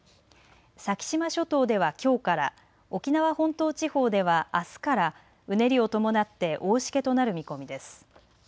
先島諸島ではきょうから沖縄本島地方では、あすからうねりを伴って大しけとなる見込みです。